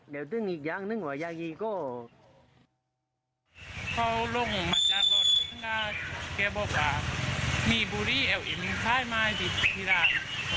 ก็เขาลงมาจากรถแล้วก็แกบอกว่ามีบุรีแอบอิ่มใครมาที่ร้าน